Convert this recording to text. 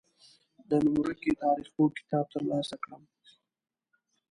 د نوم ورکي تاریخپوه کتاب تر لاسه کړم.